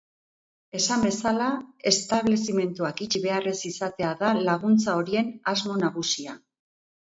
Esan bezala, establezimenduak itxi behar ez izatea da laguntza horien asmo nagusia.